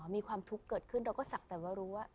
มีความทุกข์เกิดขึ้นเราก็ศักดิ์แต่ว่ารู้ว่า